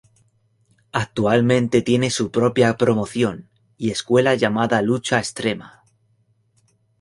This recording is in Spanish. Actualmente tiene su propia promoción y escuela llamada Lucha Extrema.